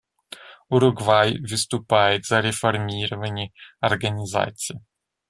Уругвай выступает за реформирование Организации.